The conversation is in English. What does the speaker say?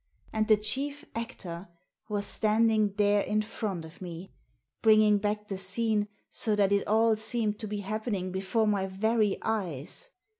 And the chief actor was standing there in front of me, bringing back the scene, so that it all seemed to be happening before my very eyes.